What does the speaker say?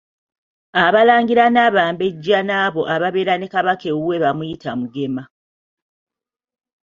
Abalangira n'Abambejja n'abo ababeera ne Kabaka ewuwe bamuyita Mugema.